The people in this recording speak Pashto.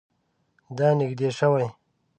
دا نژدې شوی؟